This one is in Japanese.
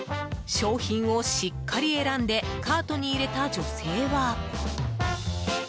商品をしっかり選んでカートに入れた女性は。